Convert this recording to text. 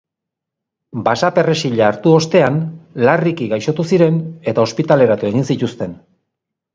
Basaperrexila hartu ostean, larriki gaixotu ziren eta ospitaleratu egin zituzten.